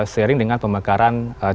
sharing dengan pemekaran